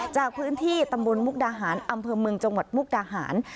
จากพื้นที่ตำบลมุกดาหารอำเภอเมืองจังหวัดมุกดาหาร